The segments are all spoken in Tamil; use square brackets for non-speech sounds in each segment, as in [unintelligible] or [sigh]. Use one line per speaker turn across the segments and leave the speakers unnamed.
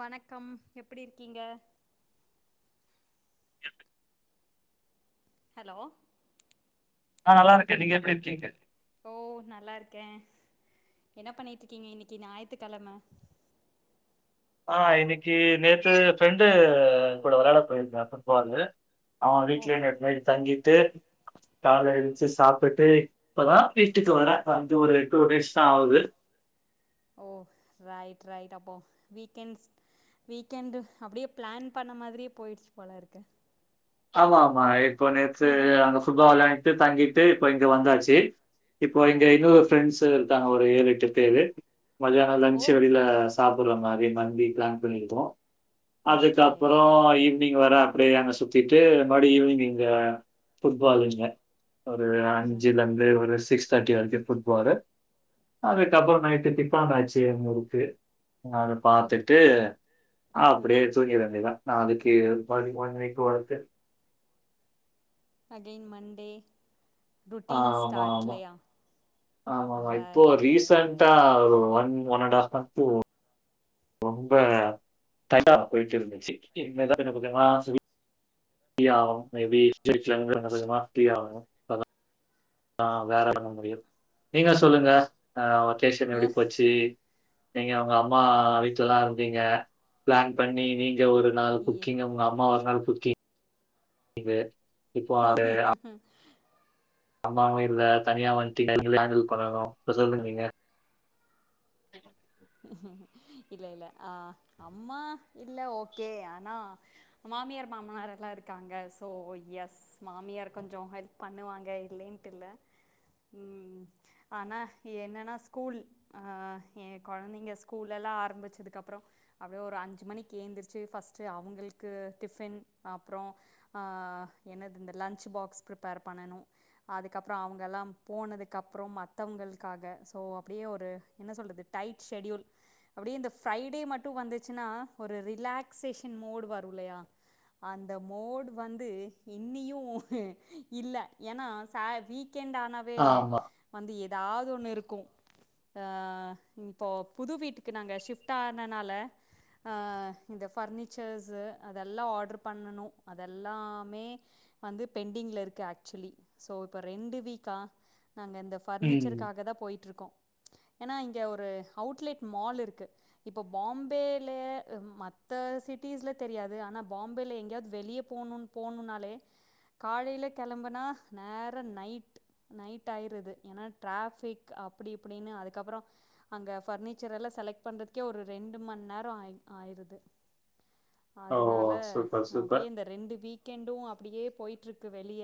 வணக்கம் எப்டி இருக்கீங்க ஹலோ
நா நல்லாருக்கே நீங்க எப்டி இருக்கீங்க
ஓ நல்லா இருக்கே என்ன பண்ணிட்ருக்கீங்க இன்னைக்கு ஞாயித்துக்கெழம
ஆ இன்னைக்கு நேத்து ஃப்ரெண்டு கூட வெளாட போயிருந்தே ஃபுட்பாலு அவ
ஓ
வீட்லே நேத்தி நைட் தங்கிட்டு கால்ல எந்திச்சு சாப்ட்டுட்டு இப்பதா வீட்டுக்கு வரே வந்து ஒரு டூ டேஸ் தா ஆவுது
ஓ ரைட் ரைட் அப்போ வீக்கேன்ஸ் வீக்கெண்டு அப்டியே பிளான் பண்ண மாதிரியே போயிடுச்சு போலருக்கு
ஆமா ஆமா இப்ப நேத்து அங்க ஃபுட்பால் வெளயான்ட்டு தங்கிட்டு இப்ப இங்க வந்தாச்சு இப்போ இங்க
ரைட்
இன்னு ஃப்ரெண்ட்ஸ் இருக்காங்க ஒரு ஏழு எட்டு பேரு மதியானோ
ஓ
லன்ஞ்சு வெளில ச சாப்புர்ற மாரி மந்தி பிளான் பண்ணிருக்கோ
ஓகே
அதுக்கப்பறோ நீங்க வர அப்டே அங்க சுத்திட்டு மறுபடி ஈவினிங் இங்க ஃபுட்பாலு இங்க ஒரு
ர
அஞ்சுலந்து ஒரு சிக்ஸ் தேட்டி வரிக்கு ஃபுட்பாலு அதுக்கப்புறோ நைட்டு டிஃபன் ஆச்சி முறுக்கு. அத
ஓகே
பாத்துட்டு அப்பிடியே
ஓகே
தூங்கிர வேண்டிதா. நா அதுக்கு one one week worth
again Monday routine ஸ்டார்ட்லையா?
ஆமா ஆமா இப்போ ரீசன்டா ஒரு one one and half month ரொம்ப தடா போய்ட்டு இருந்துச்சி என்னத கொஞ்ச கொஞ்சமா ஸ்வீ ஃபியாவு மே பி [unintelligible] கொஞ்ச கொஞ்சமா ஃப்ரி ஆவு. ஆ வேற பண்ண முடியும். நீங்க சொல்லுங்க அ வக்கேஷன் எப்டி போச்சி? நீங்க உங்க அம்மா வீட்லல்லா இருந்தீங்க பிளான் பண்ணி நீங்க ஒரு நாள்
ஆ
குக்கிங்கு உங்க அம்மா ஒர் நாள் குக்கி ங்கு அம்மாவு இல்ல தனியா வந்ட்டு நீங்ள ஹேண்டில் பண்ணணு இப்ப சொல்லுங் நீங்க
இல்ல இல்ல ஆ அம்மா இல்ல ஓகே ஆனா மாமியார் மாமனார் எல்லா இருக்காங்க சோ எஸ் மாமியார் கொஞ்சோ ஹெல் பண்ணுவாங்க இல்லைன்ட்டு இல்ல. ம் ஆனா என்னனா ஸ்கூல் ஆ எ கொழந்தைங்க ஸ்கூல்லெல்லா ஆரம்பிச்சதுக்கப்புறோ அப்டே ஒரு அஞ்சு மணிக்கு ஏந்திரிச்சு ஃபஸ்ட்டு அவுங்களுக்கு டிஃபின் அப்புறோ ஆ என்னது இந்த லன்ச் பாக்ஸ் பிரிப்பேர் பண்ணனு. அதுக்கப்புறோ அவுங்கல்லாம் போனதுக்கப்புறம் மத்தவங்கள்க்காக சோ அப்பிடியே ஒரு என்ன சொல்றது டைட் ஷெட்யூல் அப்டியே இந்த ஃப்ரைடே மட்டு வந்துச்சுன்னா ஒரு ரிலாக்சேஷன் மோடு வரு இல்லையா? அந்த மோடு வந்து இன்னியு இல்ல ஏன்னா ச வீ க்கெண்டுஆனாவே
ஆமா.
வந்து எதாவது ஒண்ணு இருக்கு. அ இப்போ புது வீட்டுக்கு நாங்க ஷிஃப்ட் ஆனனால ஆ இந்த ஃபர்னிச்சர்ஸு அதெல்லா ஆட்ரு பண்ணணு அதல்லாமே வந்து பெண்டிங்ல இருக்கு ஆக்சுவலி சோ இப்ப ரெண்டு வீக்கா நாங்க இந்த
ம்.
ஃபர்னிச்சர்க்காக தா போயிட்ருக்கோ ஏனா இங்க ஒரு அவுட்லெட் மால் இருக்கு. இப்போ பாம்பேல அ மத்த சிட்டிஸ்ல தெரியாது ஆனா பாம்பேல எங்கேயாது வெளிய போணுன் போணுன்னாலே காலைல கெளம்புனா நேரா நைட் நைட் ஆயிருது ஏனா டிராஃபிக் அப்பிடி இப்பிடினு அதுக்கப்புறோ அங்க ஃபர்னிச்சர் எல்லா செலக் பண்றதுக்கே ஒரு ரெண்டு மண் நேரோ ஆய் ஆயிருது.
ஓ!
அதுனால
சூப்பர், சூப்பர்.
அப்டியே இந்த ரெண்டு வீ க்கெண்டு அப்பிடியே போய்ட்ருக்கு வெளிய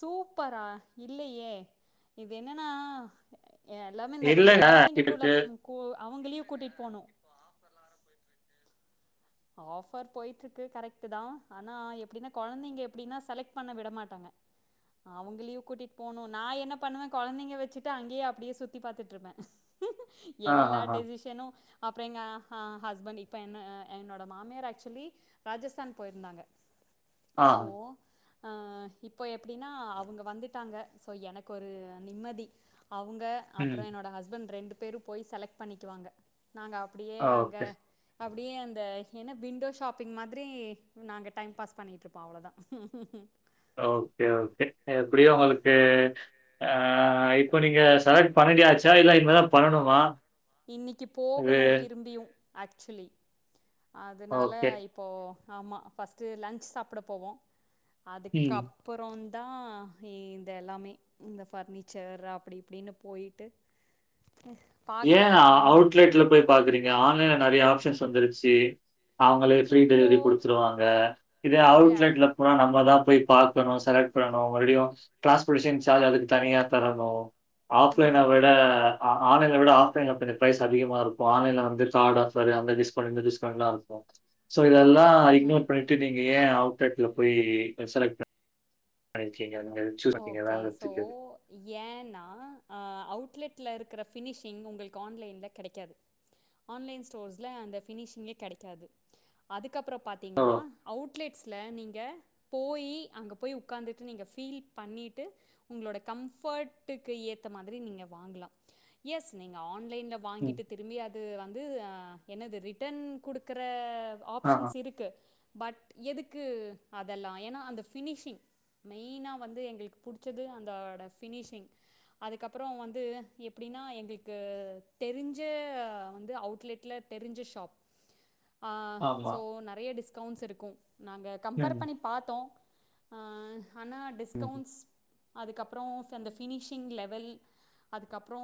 சூப்பரா இல்லையே. இது என்னனா அ எல்லாமே இந்த ரெண்டு
இல்லங்க
கொழந்தைங்க
இதுக்கு
கு அவுங்களையு கூட்டிட் போணு. ஆஃபர் போய்ட்ருக்கு கரெக்டு தா ஆனா எப்பிடினா கொழந்தைங்க எப்பிடினா செலக்ட் பண்ண விட மாட்டாங்க. அவுங்களயு கூட்டிட் போணு நா என்ன பண்ணுவே கொழந்தைங்க வெச்சிட்டு அங்கியே அப்டியே சுத்தி பாத்துட்ருப்பே.
ஆ, ஆ,
எல்லா
ஆ,
டெசிஷனு அப்புற எங்க ஹ ஹஸ்பண்ட் இப்ப என்ன என்னோட மாமியார் ஆக்சுவலி ராஜஸ்தான் போயிருந்தாங்க.
ஆ.
சோ அ இப்போ எப்டின்னா அவுங்க வந்துட்டாங்க சோ எனக்கு ஒரு நிம்மதி. அவுங்க அப்புற
ம்.
என்னோட ஹஸ்பண்ட் ரெண்டு பேரு போய் செலக் பண்ணிக்குவாங்க. நாங்க அப்டியே அங்க
ஓகே.
அப்டியே அ த என்ன விண்டோ ஷாப்பிங் மாதிரி நாங்க டைம் பாஸ் பண்ணிகிட்டுருப்போ அவ்ளோதா
ஓகே ஓகே எப்படி உங்களுக்கு ஆஹ் இப்ப நீங்க செலக்ட் பண்ணிண்டியாச்சு
இன்னைக்கு
இது
போகணு திரும்பியும் ஆக்சுலி அதனால
ஓகே.
இப்போ ஆமா ஃபர்ஸ்ட்டு லன்ச் சாப்ட போவோ
ம்.
அதுக்கப் புறோ தா இதல்லாமே இந்த ஃபர்னிச்சர் அப்டி இப்டின்னு போயிட்டு
ஏன்
பாக்கலாம் ம்
அவுட்லெட்ல போய் பாக்குறீங்க ஆன்லைன்ல நெறைய ஆப்ஷன்ஸ் வந்துருச்சி அவங்களே ஃப்ரீ
இப்போ
டெலிவரி குடுத்துருவாங்க இதே
இல்ல
அவுட்லெட்ல போனா நம்மதா போய் பாக் கணு செலக்ட் பண்ணணு மறுடியும் டிரான்ஸ்போடேஷன் சார்ஜ் அதுக்கு தனியா தரணு ஆஃப்லைன விட ஆ ஆன்லைன் இதவிட ஆஃப்லைன்ல கொஞ்சோ பிரரைஸ் அதிகமா இருக்கு ஆன்லைன்ல வந்து கார்டு ஆபர் அந்த டிஸ்கவுண்ட் இந்த டிஸ்கவுண்ட்லா இருக்கும் சோ இதல்லா
ம்
இக்னோர் பண்ணிட்டு நீங்க ஏன் அவுட்லெட்ல போய் செலக்ட் பண் பண்ணிருகீங்க நீங்கள்
ஓகே சோ ஏன்னா அவுட்லெட்ல இருக்கற ஃபினிஷிங் உங்களுக்கு ஆன்லைன்ல கெடைக்காது ஆன்லைன் ஸ்டோர்ஸ்ல அந்த பினிஷிங்கே கெடைக்காது அதுக்கப்புறம்
ஓ!
பார்த்தீங்கனா அவுட்லெட்ஸ்ல நீங்க போயி அங்க போய் உக்கார்ந்துட்டு நீங்க ஃபீல் பண்ணிட்டு உங்களோட கம்போர்ட்டுக்கு ஏத்த மாதிரி நீங்க வாங்கலா எஸ் நீங்க ஆன்லைன்ல
ம்.
வாங்கிட்டு திரும்பி அது வந்து என்னது ரிட்டர்ன் குடுக்கற
ஆஹா.
ஆப்ஷன்ஸ் இருக்கு பட் எதுக்கு அதல்லா ஏன்னா அந்த ஃபினிஷிங் மெய்னா வந்து எங்களுக்கு புடிச்சது அந்தோட ஃபினிஷிங் அதுக்கப்புறம் வந்து எப்டின்னா எங்களுக்கு தெரிஞ்சே வந்து அவுட்லெட்ல தெரிஞ்ச ஷாப்
ஆ
ஆஹ் ஸோ நிறைய டிஸ்கவுண்ட்ஸ் இருக்கு நாங்க கம்பேர்
ம்.
பண்ணி பாத்தோ ஆனா
ம்.
டிஸ்கவுண்ட்ஸ் அதுக்கப்றோ அந்த ஃபினிஷிங் லெவல் அதுக்கப்றோ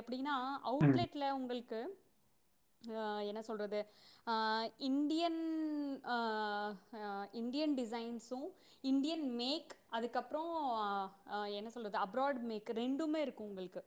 எப்டின்னா
ம்.
அவுட்லெட்ல உங்களுக்கு என்ன சொல்றது ஆஹ் இண்டியன் ஆஹ் இண்டியன் டிசைன்ஸு இண்டியன் மேக் அதுக்கப் ப்றோ ஆ என்ன சொல்றது அப்ராட் மேக் ரெண்டுமே இருக்கு உங்களுக்கு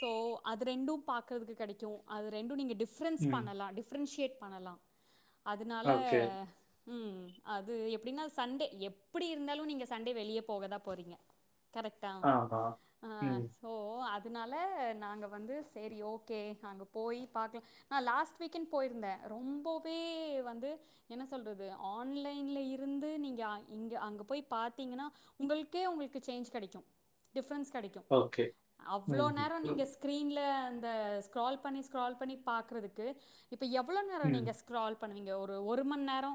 ஸோ அது ரெண்டு பாக்கறதுக்கு கெடைக்கு அது ரெண்டு நீங்க டிஃப் ரன்ஸ்
ம்.
பண்ணலா டிப்ரென்ஷியேட் பண்ணலா அதுனால ம் அது எப்டினா சண்டே எப்டி இருந்தாலு நீங்க சண்டே வெளியே போகதா போறீங்க கரெக்ட்டா ஓ அதனால நாங்க வந்து செரி ஓகே அங்க போய் பாக்கலா நா லாஸ்ட் வீக்கென் போயிருந்தே ரொம்பவே வந்து என்ன சொல்றது ஆன்லைன்ல இருந்து நீங்க இங்க அங்க போய் பாத்தீங்கனா உங்களுக்கே உங்களுக்கு சேஞ்ச் கெடைக்கு டிஃப்பரன்ஸ் கெடைக்கு
ஓகே.
அவ்ளோ
ம்ஹ்ம்.
நேரோ நீங்க ஸ்க்ரீனல அந்த ஸ்க்ரால் பண்ணி ஸ்க்ரால் பண்ணி பாக்கறதுக்கு இப்போ எவ்வளோ நேரோ நீங்க
ம்.
ஸ்கரால் பண்ணுவீங்க ஒரு ஒரு மண் நேரோ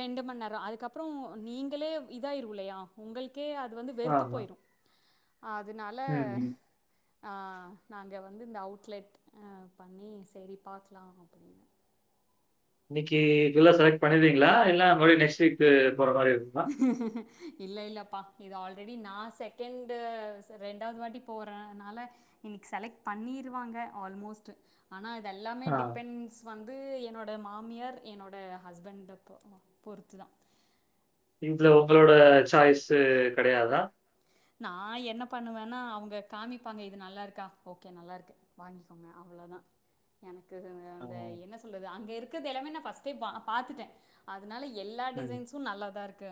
ரெண்டு மண் நேரோ அதுக்கப்புறம் நீங்களே இ தா ஆயிருன்லயா உங்கள்கே அது வந்து வெறுத்து
ஆமா.
போயிரும் அதுனால
ம்ஹ்ம்.
ஆன் நாங்க வந்து இந்த அவுட்லெட் ஆ பண்ணி செரி பாக்கலாம் அப்டின்னு
இன்னைக்கி புல்லா செலக்ட் பண்ணிருவிங்களா இல்ல மறுபடி நெக்ஸ்ட் வீக்கு போற மாரி இருக்குமா
இல்ல இல்லப்பா இது ஆல்ரெடி நா செகண்டு செ ரெண்டாவது வாட்டி போறனால இன்னிக் செலக்ட் பண்ணிருவாங்க ஆல்மோஸ்ட் ஆனா இதெல்லாமே
ஆ.
டிபெண்ட்ஸ் வந்து என்னோட மாமியார் என்னோட ஹஸ்பண்ட பொ பொறுத்து தா
இஞ்ச ஒங்களோட சாய்ஸ்சு கெடயாதா?
நா என்ன பண்ணுவன்னா அவங்க காமிப்பாங்க இது நல்லா இருக்கா ஓகே நல்லாருக்கு வாங்கிக்கோங்க அவ்ளோதா எனக்கு
ஆ.
அந்த என்ன சொல்றது அங்க இருக்கது எல்லாமே நா ஃபஸ்ட்டே பா பாத்துட்டேன் அதுனால எல்லா
ம்.
டிசைன்சும் நல்லா தா இருக்கு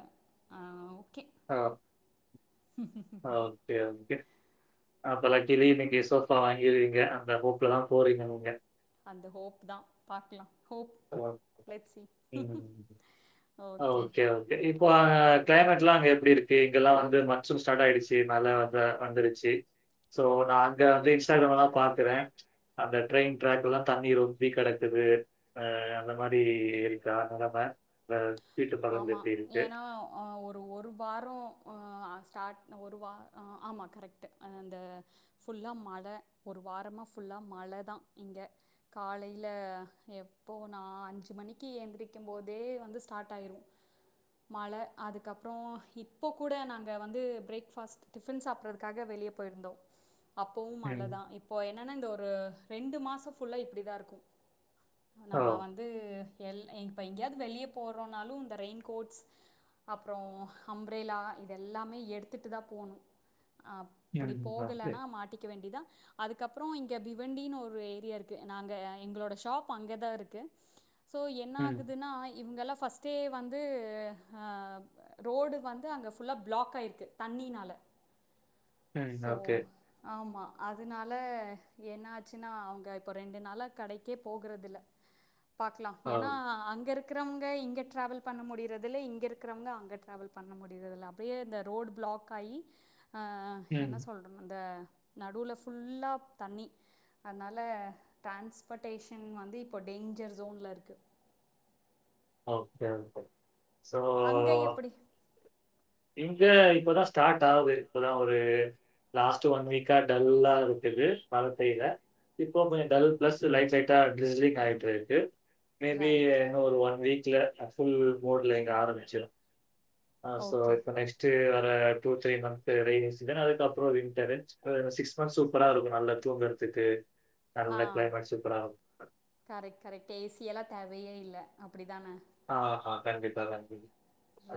ஆ ஓகே
அ அ ஓகே ஓகே அப்பலா கிளி இன்னிக்கு சோஃபா வாங்கிருவிங்க அந்த ஹோப்ல தான் போறிங்க நீங்க
அந்த ஹோப் தா பாக்லாம் ஹோப் லெட் சி
ம்.
ஓகே
இப்போ க்ளைமேட்லா அங்க எப்டி இருக்கு இங்கெல்லா வந்து மன்சூன் ஸ்டார்ட் ஆயிடுச்சு மழ வந்த வந்துருச்சு சோ நான் அங்க ந்து இன்ஸ்டாகிராம்லாம் பாக்குறேன் அந்த ட்ரெயின் ட்ராக்லா தண்ணி ரொம்பி கெடக்குது அ அந்த மாரி இருக்கா நிலமை இந்த வீட்டு பக்கம்
ஆமா.
எப்டி இருக்கு
ஏன்னா, அ ஒரு ஒரு வாரோ அன் ஸ்டார்ட் ஒரு வா அ ஆமா கரெக்ட்டு அந்த ஃபுல்லா மழ ஒரு வாரமா ஃபுல்லா மழதான் இங்க காலையில எப்போ நா அஞ்சு மணிக்கி எந்திரிக்கும் போதே வந்து ஸ் டாட் ஆயிரும் மழ அதுக்கப்றோ இப்ப கூட நாங்க வந்து பிரேக்ஃபாஸ்ட் டிஃபன் சாப்பிட்றதுக்காக வெளிய போயிருந்தோம்
[inaudible]
அப்பவும்
ம்.
மழதா இப்போ என்னன்னா இந்த ஒரு ரெண்டு மாசம் ஃபுல்லா இப்டிதா இருக்கும்
ஓ!
நம்ம வந்து எல் இப்ப எங்கேயாவது வெளிய போறோம்னாலு இந்த ரெயின் கோட்ஸ் அப்றோ அம்ரெல்லா இதெல்லாமே எடுத்துட்டு தா போணும் அப் டி
ம். ஓகே.
போகலனா மாட்டிக்க வேண்டிதா அதுக்கப்றம் இங்க பிவண்டினு ஒரு ஏரியா இருக்கு நாங்க எங்களோட ஷாப் அங்க தா இருக்கு சோ என்ன
ம்.
ஆகுதுன்னா இவங்கல்லா ஃபஸ்ட்டே வந்து ரோடு வந்து அங்க ஃபுல்லா ப்ளாக் ஆயிருக்கு தண்ணினால
[inaudible]
சோ
ஓகே.
ஆமா அதுனால என்ன ஆச்சுன்னா அவங்க இப்போ ரெண்டு நாளா கடைக்கே போகுறதுல்ல
[inaudible]
பாக்லா
ஓ!
ஏனா அங்க இருக் க்றவங்க இங்க ட்ரெவல் பண்ண முடியறதுல்ல இங்க இருக்குறவங்க அங்க ட்ரெவல் பண்ண முடியறதுல்ல டியே இந்த ரோடு ப்ளாக் ஆயி அ
ம்.
என்ன சொல் அந்த நடுவுல ஃபுல்லா தண்ணி அதுனால ட்ரான்ஸ்பர்டேஷன் வந்து இப்போ டேஞ்சர் ஜோன்ல இருக்கு
ஓகே ஒகே சோ
அங்க எப்படி?
இங்க இப்பதா ஸ்டார்ட் ஆவுது இப்பதா ஒரு லாஸ்ட் ஒன் வீக்கா டல்லா இருக்குது மழை பெய்ல இப்போ கொஞ்சோ டல் பிளஸ் லைட் சைட்டா ட்ரிஸ்லிங் ஆயிட்டுருக்கு மேபி
ரைட்.
இன்னு ஒரு ஒன் வீக்ல ஃபுல் மோட்ல இங்க ஆரம்பிச்சிரு ஆ சோ
ஓகே.
இப்ப நெக்ஸ்ட் வர two, three month rainy season அதுக்கப்றோ வின்டர் எ சிக்ஸ் மந்த்ஸ் சூப்பரா இருக்கு நல்லா தூங்கறதுக்கு
ஆ.
நல்ல கிளைமேட் சூப்பரா இருக்கு
கரெக்ட் கரெக்ட் ஏ சி எல்லா தேவயே இல்ல அப்டிதான
ஆஹா கண்டிப்பா கண்டி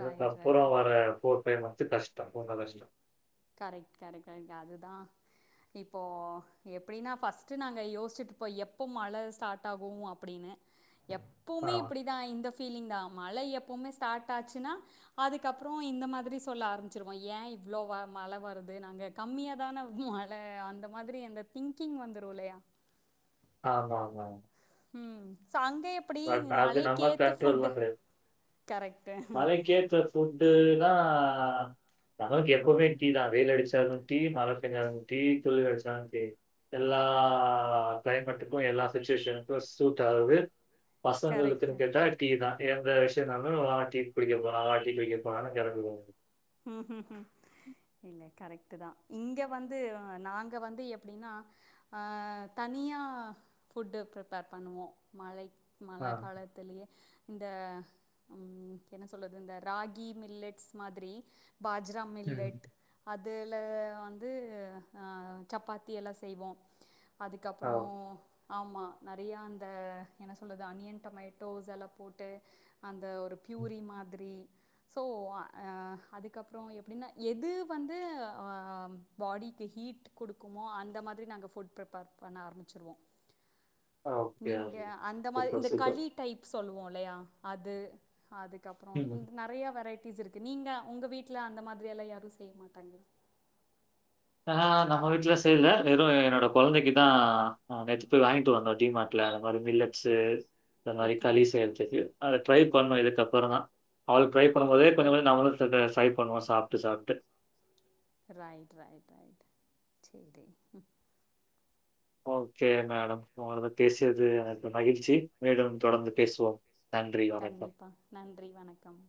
ரைட் ரைட்
வர போட் டைம் வந்து கஷ்டோ பூங் அதர்ஸ் இந்தா
கரெக்ட் கரெக்ட் கரெக் அதுதா இப்போ எப்டின்னா ஃபர்ஸ்ட்டு நாங்க யோசிசுட்டுப்போ எப்ப மழை ஸ்டார்ட் ஆகு அப்டின்னு
ஆ,
எப்புமே
ஆமா.
இப்படிதா இந்த ஃபீலிங்தா மழை எப்புமே ஸ்டார்ட் ஆச்சுன்னா அதுக்கப்பறோ இந்த மாதிரி சொல்ல ஆரம்பிச்சிருவோ ஏன் இவ்ளோ மழை வருது நாங்க கம்மியாதான மழை அந்த மாதிரி அந்த திங்கிங் வந்துரு இல்லயா
ஆமாமாங்
ம் ஸோ அங்க எப்டி
அது
மழைக்கு
நம்ம
ஏத்த
கண்ட்ரோல்
ஃபுட்டு
பண்றது.
கரெக்ட்டு
ஃபுட்டுனா நமக்கு எப்புமே டீதா வெயில் அடிச்சாலு டீ மழை பேஞ்சாலு டீ குளிர் அடிச்சாலு டீ எல்லா கிளைமேட்டுக்கு எல்லா சுச்சுவேஷனுக்கு சூட் ஆகுது பசங்களுக்குன்னு
கரெக்ட்
கேட்டா டீதா எந்த விஷ்யோனாலு டீ குடிக்க போலாமா டீ குடிக்க போனாலு கிளம்பிடுவோ
ம் ஹும் ஹும் இல்ல கரெக்ட்டுதா இங்க வந்து நாங்க வந்து எப்டினா ஆ தனியா ஃபுட்டு ப்ரிப்பேர் பண்ணுவோ மழை
ஆ.
மழை கால த்துலயே இந்த ம் என்ன சொல்து இந்த ராகி மில்லட்ஸ் மாதிரி பாஜ்ரா
ம்.
மில்லட் அதுல வந்து சப்பாத்தி எல்லா செய்வோ
ஆ.
அதுக்கப்பறோ ஆமா நெறயா அந்த என்ன சொல்லது அனியன் டொமேட்டோஸ் எல்லா போட்டு அந்த ஒரு பியூரி மாதிரி சோ அ அதுக்கப்றோ எப்டின்னா எது வந்து பாடிக்கு ஹீட் குடுக்குமோ அந்த மாதிரி நாங்க ஃபுட்டு பிரிப்பேர் பண்ண ஆரபிச்சிருவோ
ஓகே,
நீங்க
ஓகே.
அந்த மாரி
சூப்பர்,
இந்த
சூப்பர்.
களி டைப் சொல்லுவோ இல்லயா அது அதுக்கப்றோ
ம்.
நெறயா வெரைட்டீஸ் இருக்கு நீங்க உங்க வீட்டில அந்த மாதிரியெல்லா யாரு செய்ய மாட்டாங்ளா
ஆஹ நம்ம வீட்ல செய்ல வெறு என்னோட கொழந்தைக்குதா நேத்து போய் வாங்கிட்டு வந்தோ டிமார்ட் ல அந்த மாரி மில்லட்ஸு இந்த மாரி
ஓகே
களி செய்யறதுக்கு அத ட்ரை பண்ணணு இதுக்குப்பறந்தா அவள்க்கு ட்ரை பண்ணும்போதே
ஓ
கொஞ்சோ கொஞ்சோ நம்மளு ட்ரை பண்ணுவோ சாப்ட்டு சாப்ட்டு
ரைட் ரைட் ரைட் சேரி ம்
ஓகே மேடம் உங்களோடது பேசியது எனக்கு மகிழ்ச்சி மீண்டும் தொடர்ந்து பேசுவோம் நன்றி, வணக்கம்.
கண்டிப்பா நன்றி வணக்கம்